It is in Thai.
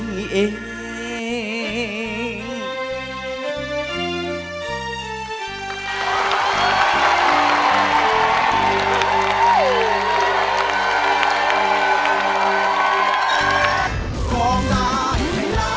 อ่อนไป